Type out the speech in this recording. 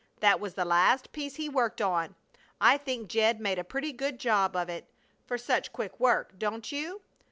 That was the last piece he worked on. I think Jed made a pretty good job of it, for such quick work. Don't you?